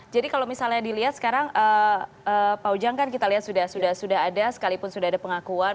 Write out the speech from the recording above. jadi kalau misalnya dilihat sekarang pak ujang kan kita lihat sudah ada sekalipun sudah ada pengakuan